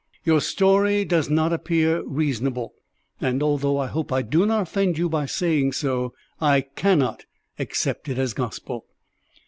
Your story does not appear reasonable, and, although I hope I do not offend you by saying so, I cannot accept it as gospel."